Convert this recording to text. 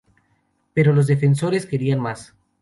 Pero los defensores querían más.